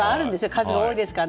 数が多いですから。